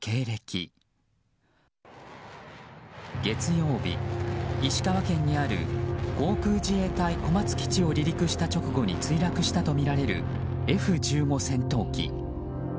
月曜日、石川県にある航空自衛隊小松基地を離陸した直後に墜落したとみられるＦ１５戦闘機。